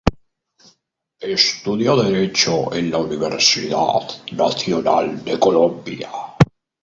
Estudio derecho en la Universidad Nacional de Colombia.